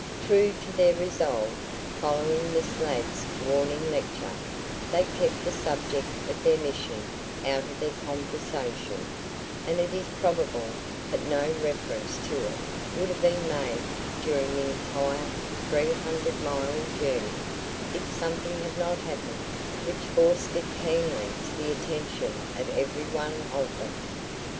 True to their resolve, following Miss Ladd's warning lecture, they kept the subject of their mission out of their conversation, and it is probable that no reference to it would have been made during the entire 300 mile journey if something had not happened which forced it keenly to the attention of every one of them.